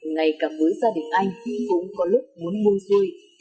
ngay cả với gia đình anh cũng có lúc muốn buông xuôi